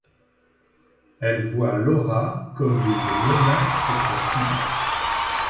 Elle voit Laura comme une menace pour sa fille...